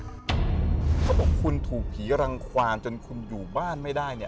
เขาบอกคุณถูกผีรังความจนคุณอยู่บ้านไม่ได้เนี่ย